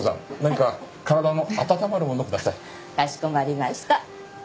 かしこまりました。